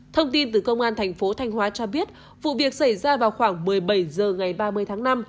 thông tin từ công an thành phố thanh hóa cho biết vụ việc xảy ra vào khoảng một mươi bảy h ngày ba mươi tháng năm